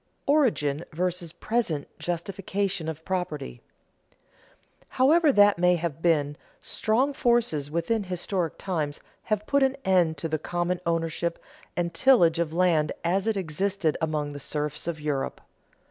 [Sidenote: Origin vs. present justification of property] However that may have been, strong forces within historic times have put an end to the common ownership and tillage of land as it existed among the serfs of Europe.